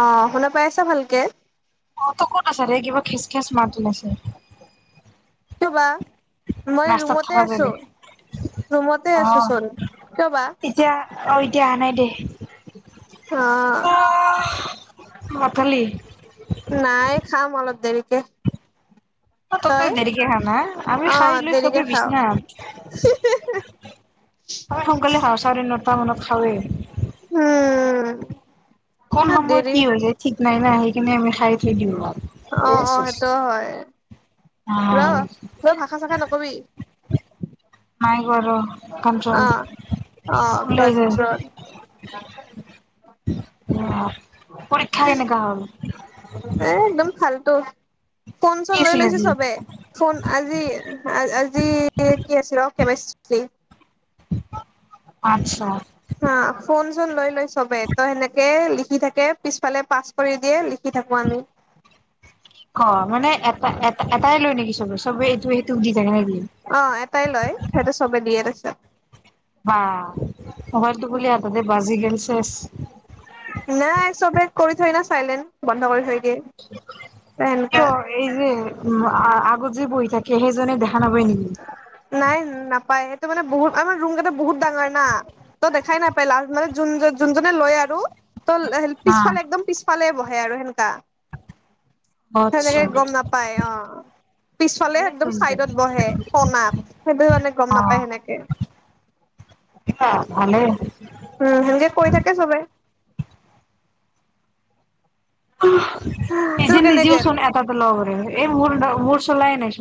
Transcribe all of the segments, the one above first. অ, শুনা পাইছা ভালকে? অ, ক'ত আছে, ৰে কিবা খেচ-খেচ মাত ওলাইছে। বা মই ৰাস্তাত ৰুমতে থকা আছোঁ, বাবে ৰুমতে অ আছোঁ চোন কিয় বা? এতিয়া অ', এতিয়া আহা নাই দে অ' ভাত খালি? নাই, খাম অলপ দেৰিকে। অ', তত তই দেৰিকে খাওঁ না, আমি অ খাই লৈ দেৰিকে চবে খাও বিচনা [unintelligible] সোনকালে খাওঁ চাৰে নটা মানত খাওঁয়ে। উম কোন সময়ত দেৰি কি হৈ যায় ঠিক নাই না, সেইখিনি আমি খাই [unintelligible] আৰু। অ', অ', সেইটোয়ো হয়। অ', ৰ ৰ ভাষা চাষা নকবি [unintelligible] অ কণ্ট্ৰল, অ ওলাই যায়। কন্ট্ৰল অ', পৰীক্ষা কেনেকা হ'ল? এ, একদম ফালটো, ফোন, কি চোন লৈ আছিল লৈছে আজি চবে। ফোন আজি-আ-আজি কি আছিল ৰ, কেমেচষ্ট্ৰি আতছা। হা, ফোন, চোন লৈ লয় চবে ত' সেনেকে লিখি থাকে পিছফালে পাছ কৰি দিয়ে, লিখি থাকোঁ আমি। অ', মানে এটা, এটা-এটাই লৈয় নিকি চবে, চবে এইটোৱে সিটোক দি থাকে নেকি? অ', এটাই লয়, সেইটো চবেই দিয়ে তাছত বা, মোবাইলটো বোলে তাৰপিছত হঠাতে বাজি গেল চেছ। নাই, চবেই কৰি থয় না চাইলেণ্ট, বন্ধ কৰি থৈ দিয়ে। সেনেকা [unintelligible] এই যে, আ-আগত যে, বহি থাকে সেইজনে দেখা নাপায় নিকি? নাই নাপায়, সেইটো মানে বহুত আমাৰ ৰুমকেটা বহুত ডাঙৰ না। ত' দেখাই নাপাই লাচ মানে যোন-যোনজনে লয় আৰু ত' [unintelligible] নাই। পিছফালে একদম পিছফালে বহে আৰু সেনকা। আচ্ছা সেনেকে গম নাপায়, অ', পিছফালে ভালে একদম চোন তে চাইডত বহে কনাত। সেইটো কাৰনে গম অ নাপায় সেনেকে। ভালে উম, সেনেকে কৈ থাকে চবে। তোৰ এদিন কেনে নিজেও গেল চোন এটাতে ল'ব পাৰে এই মোৰ-মোৰ চোলাই নাই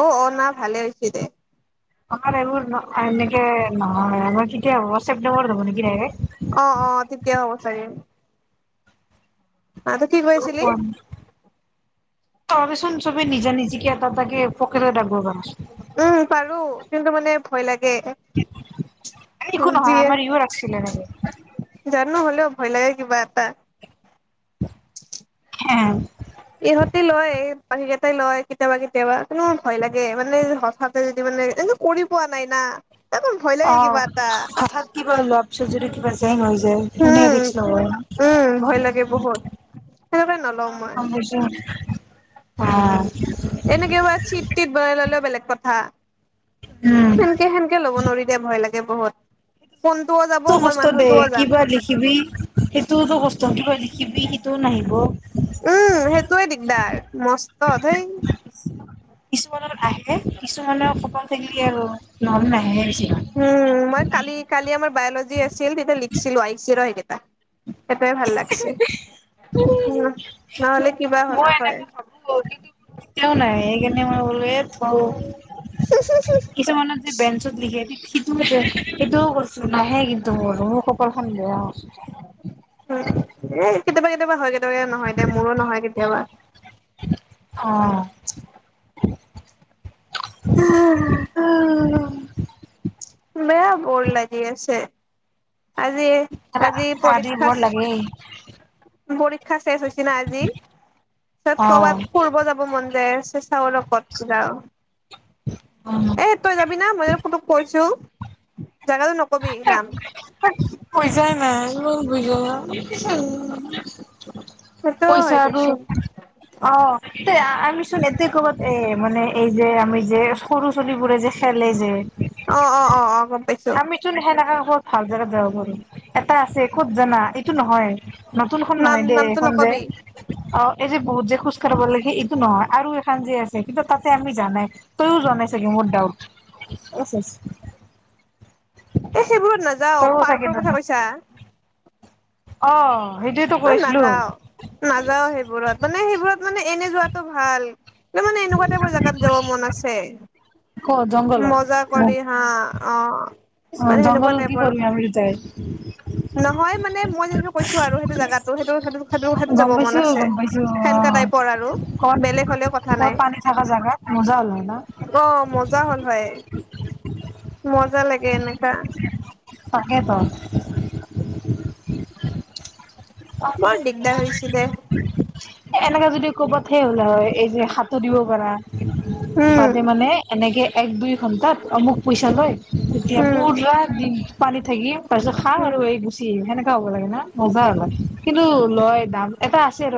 অ', অ', না ভালে হৈছে দে। আমাৰ এইবোৰ এনেকে নহয়, আমাৰ কেতিয়া হ'ব ছেপ্টেম্বৰত হ'ব নেকি দাইৰেক। অ', অ', তেতিয়া হ'ব চাগে। [unintelligible] [unintelligible] তহঁতে চোন চবে নিজা নিজিকে এটা, এটাকে পকেটত আনিব [unintelligible] উম, পাৰোঁ, কিন্তু মানে ভয় লাগে। একো নহয়, আমাৰ ইয়ো ৰাখছিলে এনেকে। জানোঁ, হ'লেও ভয় লাগে কিবা এটা। [inaudible] ইহঁতে লয়, বাকী কেইটাই লয় কেতিয়াবা, কেতিয়াবা কিন্তু ভয় লাগে মানে হঠাতে যদি মানে [unintelligible] কৰি পোৱা নাই না। মোৰ ভয় লাগে কিবা অ', এটা হঠৎ কিবা লোৱা পিছত যদি কিবা জেং হৈ যায় কোনে উম ৰিক্স ল'ব ইমান। উম ভয় লাগে বহুত সেনেকে নলওঁ মই [unintelligible] আঁ' এনে কিবা চিট টিত বনাই ললেও বেলেগ কথা। উম সেনকে সেনকে ল'ব নোৱাৰি দে ভয় লাগে বহুত। ফোনটোও যাব মই মানুহটোও যাম। খিবি সেইটোওতো কষ্ট কিবা লিখিবি সিটোওটো নাহিব। উম' সেইটোৱে দিগদাৰ মস্ত ধেই। কিছুমানত আহে কিছুমানৰ কপাল থাকিলে আৰু নহলে নাহে বেছিভাগ। উম' মই কালি কালি আমাৰ বায়লজি আছিল তেতিয়া লিখিছিলো আহিছে ৰ সেইগেইটা। সেইটোৱে ভাল লাগছে, উম' নহলে কিবা হলে হয়। তোৰ ওটিপিটো কেতিয়াও নাহে, সেইকাৰণে মই কলো এ থ। [unintelligible] কিছুমানত যে বেঞ্চত লিখে সিটো সেইটোও কৰিছো নাহে কিন্তু মোৰ। কপালখন বেয়া আৰু। উম উম' কেতিয়াবা কেতিয়াবা হয় কেতিয়াবা নহয় দে মোৰো নহয় কেতিয়াবা। অঁ' [unintelligible] অ বেয়া বৰ লাগি আছে। আজি এ আজি পৰীক্ষাচ- পৰীক্ষা শেষ হৈ হৈছে না আজি পিচত অ', কৰ'বাত ফুৰব যাব- মন যায় আছে, চাওঁ ৰ কত যাওঁ। উম, তই যাবিনা মই তোক কৈছো। জেগাটো নকবি নাম। পইছাই নাই [unintelligible] সেইটো হয় পইছাতো দেচোন অঁ এই আ আনি- চোন এইটো ক'বাত এ মানে এই যে আমি যে সৰু চলিবোৰে যে খেলে যে- অঁ অঁ অঁ অঁ গম- পাইছো আমিচোন সেনেকা ক'ত ভাল জেগাত যাব পাৰো এটা আছে ক'ত জানা? এইটো নহয়- নতুনখন নাম নহয় দে, নামটো এইখন নকবি যে- অ' এই যে বহুত যে খোজ কাঢ়িব লাগে এইটো নহয় আৰু এখন যে আছে কিন্তু তাতে আমি যোৱানাই। তইও যোৱা নাই চাগে মোৰ ডাউট। এ সেইবোৰত নাযাওঁ তইও চাগে পাৰ্কৰ কথা কৈছা। অঁ সেইটো- অ' নাযাওঁ নাযাওঁ সেইবোৰত। মানে সেইবোৰত মানে এনেই যোৱাটো ভাল, মোৰ মানে এনেকুৱা টাইপৰ জেগাত যাব মন আছে। ক'ত জংঘলত মজা কৰি হাঁ অঁ। অঁ জংঘলত কি কৰিম আমি দুটাই? নহয় মানে মই যেনেকে কৈছো আৰু সেইটো জেগাটো সেইটো যাব মন আছে সেনেকুৱা টাইপ। কবাত কবাত পানী থাকা জেগাত মজা ওলাই ন। অঁ মজা হ'ল হয়, মজা লাগে এনেকা। তাকেতো। বৰ দিগদা হৈছি দে। এ এনেকে যদি কবাত সেই হ'লে হয়, এই যে সাতোঁৰ দিব পাৰা। উম তাহাঁতে মানে এনেকে এক দুই ঘন্টাত অমুক পইছা লয়- এতিয়া উম পুৰা দিন পানীত থাকি তাৰ পিছত খা উম আৰু এই গুচি আহি সেনেকুৱা হ'ব লাগে ন। মজা হল হয়। কিন্তু লয় দাম এটা আছে ৰ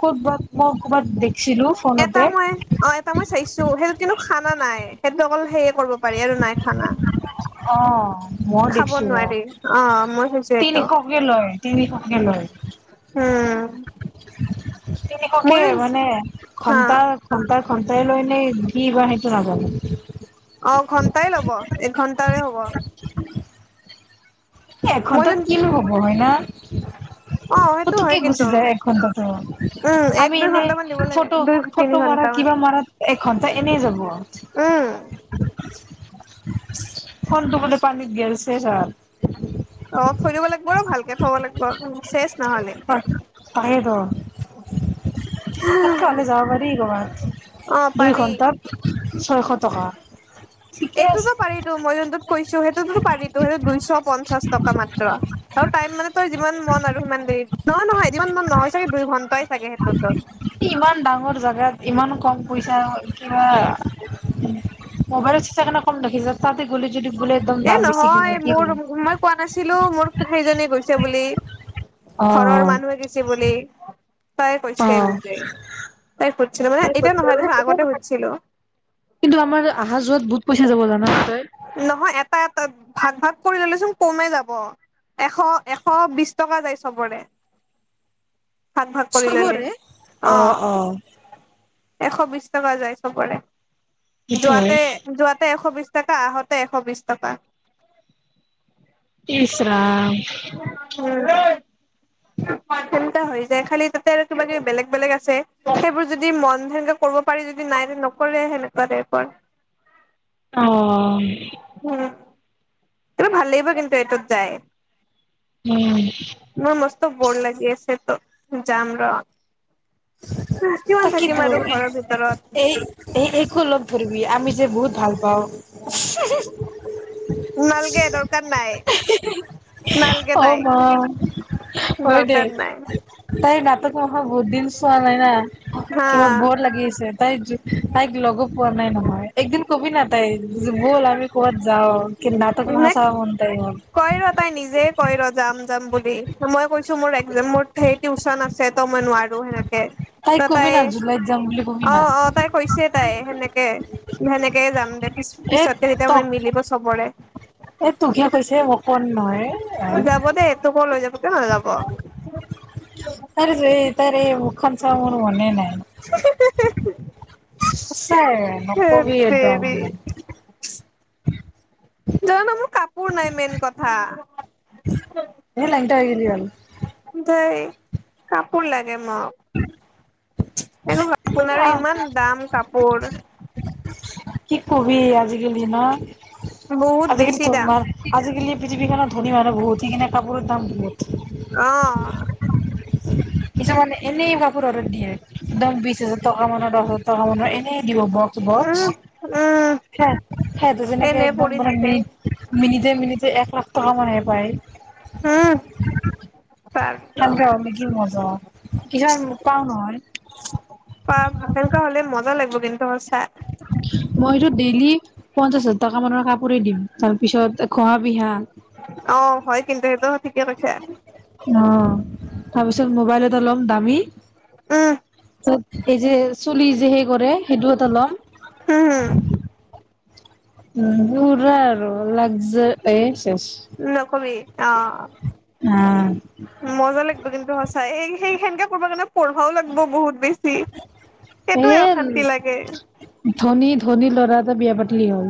ক'তবাত মই ক'বাত দেখিছিলো। এটা ফোনতে মই অ এটা মই চাইছো সেইটোত কিন্তু খানা নাই সেইটো অকল সেয়ে কৰিব পাৰি আৰু নাই খানা অহ খাব নোৱাৰি অঁ মই [unintelligible] তিনিশকে লয় তিনিশকে লয়। উম মই তিনিশকে যোন মানে হা ঘন্টা ঘন্টাৰ ঘন্টাই লয়নে কি বা সেইটো নাজানো। অ ঘণ্টাই লব এঘণ্টাৰে হব [inaudible] মই এঘণ্টাত যোন কিনো হ'ব হয় না অ সেইটো পতককে হয় গুচি কিন্তু যায় এক ঘণ্টাতো উম এক আমি দুই এনে ঘন্টা মান দিব লাগে ফটো দুই তিনি ফটো মাৰাত ঘন্টা মান কিবা মাৰাত এঘন্টা এনেই যাব। উম ফোনটো বোলে পানীত গেল শেষ আৰু। অ থৈ দিব লাগিব ৰ ভালকে থব লাগিব শেষ নহ'লে আৰ তাকেতো হেনেকে হলে যাব পাৰি ক'ৰবাত অ দুই পাৰি ঘন্টাত ছয়শ টকা। ঠিকে আছে এইটোতো পাৰিতো মই যোনটোত কৈছো সেইটোতো পাৰিতো সেইটোত দুইশ পঞ্চাশ টকা মাত্ৰ। আৰু টাইম মানে তই যিমান মন আৰু সিমান দেৰি নহয় নহয় যিমান মন নহয় চাগে দুইঘণ্টাই চাগে সেইটোতো। ইমান ডাঙৰ জেগাত ইমান কম পইচা কিবা মোবাইলত চাই কেনে কম দেখিছ তাতে গ'লে যদি বোলে একদম এ দাম বেছি কি নহয় লয় কি মোৰ হব মই কোৱা নাছিলো মোৰ সেইজনী গৈছে বুলি ঘৰৰ মানুহ গৈছে বুলি তাই কৈছিল যে তাই সুধিছিলো মানে এতিয়া নহয় দেচোন আগতে সুধিছিলো। কিন্তু আমাৰ আহা যোৱাত বহুত পইচা যাব জানা তই। নহয় এটা এটা ভাগ ভাগ কৰি ল'লেচোন কমে যাব। এশ এশ বিশ টকা যায় চবৰে। ভাগ ভাগ কৰি ললে। চবৰে অ' অ'। এশ বিশ টকা যায় চবৰে সেইটো হয় যোৱাতে যোৱাতে এশ বিশ টকা আহোতে এশ বিশ টকা। ইচ ৰাম হেনেকা হৈ যায় খালি তাতে আৰু কিবা কিবি বেলেগ বেলেগ আছে। সেইবোৰ যদি মন কৰিব পাৰি যদি নাই নকৰে সেনেকুৱা টাইপৰ। অহ। সেইতো ভাল লাগিব কিন্তু এটোত যায়। উম। মোৰ মস্ত ব'ৰ লাগি আছে ত' যাম ৰ'। হো কিমান তাকেতো থাকিম আৰু ঘৰৰ ভিতৰত। এই এই এইকো ল'গ ধৰিবি আমি যে বহুত ভাল পাওঁ। নালগে দৰকাৰ নাই। নালগে অ' তাইক মা। হয় দে দৰকাৰ নাই তাই নাটক কৰা বহুত দিন চোৱা নাই না হা কিবা বৰ লাগি আছে। তাই তাইক ল'গ পোৱা নাই নহয়, একদিন কবি না' তাইক ব'ল আমি ক'বাত যাওঁ। কি নাটক মাহা নেক্স ছাও কনতেই গ'ল ম। কয় ৰ তাই নিজে কয় ৰ' যাম যাম বুলি। মই কৈছো মোৰ এক্সাম মোৰ সেই টিউচন আছে ত' মই নোৱা ৰু সেনেকে তাইক ত' কবি তাই না জুলাইত যাম বুলি কবি অঁ না অঁ তাই হৈছে তাই সেনেকে সেনেকে যাম দে, পি এ পিছত ত তেতিয়া মই মিলিব চবৰে। এ তুকহে কৈছে, মোক কোৱা নাই নহয়। এন আহ যাব দে তোকো লৈ যাব কিয় নাযাব তাইৰ‌ এ‌ তাইৰ এই মুখখন চাবৰ মোৰ মনে নাই। সঁচায় ধেৎ নক'বি একদম। তেৰি জাননে মোৰ কাপোৰ নাই মেইন কথা। এ লেংটা হৈ গেলি হ'ল। ঢেই কাপোৰ লাগে মোক। এ নোক আপোনাৰো আহ ইমান দাম কাপোৰ। কি কবি আজিকালি ন'? ৰো [unintelligible] আজিকালি তোমাৰ আজিকালি পৃথিৱীখনত ধনী মানুহ বহুত, সেইকাণে কাপোৰৰ দাম বহুত। অ' কিছুমানে এনেই ভা কাপোৰ অৰ্ডাৰ দিয়ে। এদম বিশ হাজাৰ টকা মানৰ, দহ হাজাৰ টকা মানৰ এনেই দিব ব উম বক্স, উম সে সেটো যেনেকে এনে একদম পৰি মানে থাকে মেইন মিনিতে মিনিতে এক লাখ টকা মানহে পায়। উম। খান‌ তাৰপিছত কে অ' কি অছ [unintelligible] কিছুমান ম পাওঁ নহয়। পাম সেনকুৱা হ'লে মজা লাগিব কিন্তু সঁচা। মইটো ডেইলি পঞ্চাশ হাজা টকা মানৰ কাপোৰে দিম, তাৰ পিছত ঘ'হা পিহা অঁ, হয় কিন্তু সেইটো ঠিকে কৈছা। অঁ তাপিছত মোবাইল এটা ল'ম দামী উ, চত ' সেই যে চুলি যে সেই কৰে সেইটো এটা ল'ম। হুম। উম পোৰা আৰু লাগজা এই শেষ। নকবি। অঁ। হুম। মজা লাগব কিন্তু সঁচই, এই সেই সেনেকে কৰব কাৰণে পঢ়বাও লাগব বহুত বেছি। এ সেইটোয়ে অশান্তি লাগে। ধনী ধনী ল'ৰা এটা, বিয়া পাতিলি হ'ল।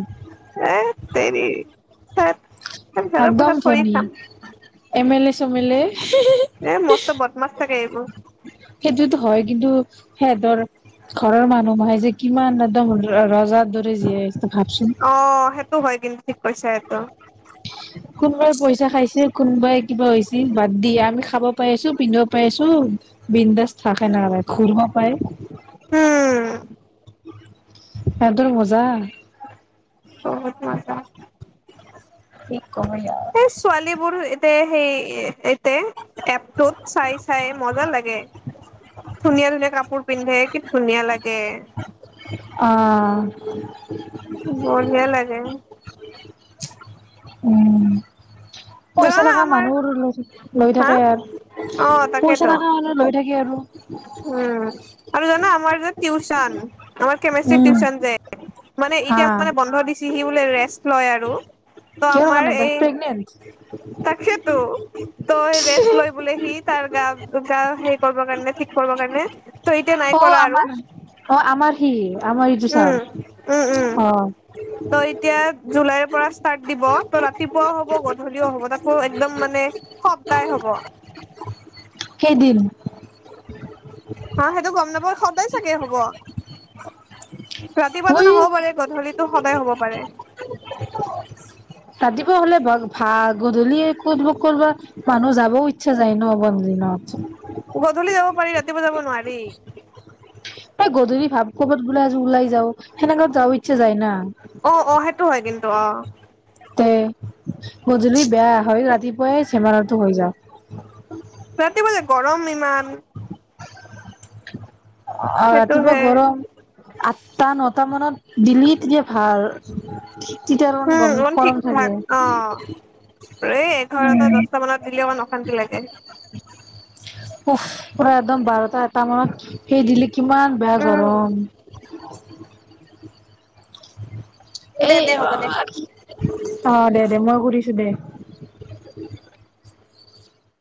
এৎ তেৰি ধেৎ। একদম ধনী। M L A, same L এ এ [unintelligible] মস্ত বদমাছ থাকে এইবোৰ সেইটোত' হয় কিন্তু সেহঁতৰ ঘৰৰ মানুহ নহয় যে কিমান এদম ৰ ৰজাৰ দৰে জীয়াই আছে ভাবচোন অঁ সেটো হয় কিন্তু ঠিক কৈছা এটো। কোনবাই পইচা খাইছে, কোনবাই কিবা হৈছি, বাদ দিয়া আমি খাব পাইছো পিন্ধিব পাৰিছো বিন্দাস থাক না ৰে ঘুৰবা পায়, উম সেঁতৰ মজা [unintelligible] কি কবি আৰ। এই ছোৱালী বোৰ এতে সেই, এতে এপটোত চাই চাই মজা লাগে। ধুনীয়া ধুনীয়া কাপোৰ পিন্ধে, কি ধুনীয়া লাগে। অহঁ। [unintelligible] উম। পইচা জানানে থাকা আমাৰ মানুহৰ লৈ লৈ হা থাকে আৰ। অ তাকেতো পইচা থাকা হলে লৈ থাকে আৰু। উম। আৰু জানো আমাৰ যে টিউশন আমাৰ কেমিষ্ট্ৰিৰ উম টিউশন যে মানে হা এতিয়া মানে বন্ধ দিছে। সি বোলে ৰেষ্ট লয় আৰু। ত কিহৰ আমাৰ কাৰণে এই তাই প্ৰেগ্নেণ্টছ্? তাকেতো। ত' ৰেষ্ট লয় বোলে সি তাৰ গা গা হেৰি কৰিবৰ কাৰণে, ঠিক কৰিব কাৰণে। ত' এতিয়া নাই অ কৰা আৰু। আমাৰ অ, আমাৰ সি, আমাৰ সেইটো চাৰ, অ। ত' এতিয়া জুলাইৰ পৰা ষ্টাৰ্ট দিব। ত' ৰাতিপুৱাও হ'ব, গধূলিও হ'ব। তাকো একদম মানে সপ্তাই হ'ব। কেদিন? হা? সেইটো গম নাপাও। সদায় চাগে হব? ৰাতিপুৱাটো ই নহ'ব পাৰে, গধূলিতো সদায় হ'ব পাৰে। ৰাতিপুৱা হ'লে ভা ভা। গধূলি কতবা কৰবা মানুহ যাবও ইচ্ছা যায় ন‌ বন্ধ দিনত। গধূলি যাব পাৰি, ৰাতিপুৱা যাব নোৱাৰি। এ গধূলি ভাৱ ক'বাত বোলে আজি ওলাই যাও। সেনেকা যাও ইচ্ছা যায় না। অ অ, সেইটো হয় কিন্তু, অ। তে গধূলি বেয়া। হয় ৰাতিপুৱাই ঝেমেলাটো হৈ যা। ৰাতিপুৱা যে গৰম ইমান। অ, ৰাতিপুৱা সেইটোহে গৰম। আঠটা নটা মানত দিলি, তেতিয়া ভাল। তেতিয়া আৰু মানে উম গম অকমান কৰম থাকে। ৰে এঘাৰটা উম দচটা মানত দিলে ইমান অশান্তি লাগে। উফ! পুৰা একদম বাৰটা এটা মানত সেই দিলে কিমান বেয়া উম গৰম। এ দে দে হ'ব দে [unintelligible] অ, দে দে, মই কৰিছো দে।